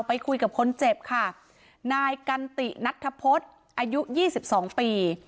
ไปคุยกับคนเจ็บค่ะนายกันตินัททะพสอายุยี่สิบสองปี